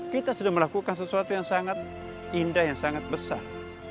kita sudah melakukan sesuatu yang sangat indah yang sangat besar